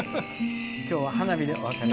今日は花火でお別れ。